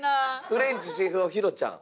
フレンチシェフ男「弘ちゃん」。